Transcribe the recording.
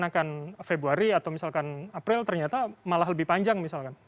akan februari atau misalkan april ternyata malah lebih panjang misalkan